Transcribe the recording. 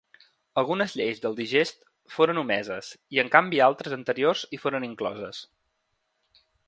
Algunes lleis del Digest foren omeses i en canvi altres anteriors hi foren incloses.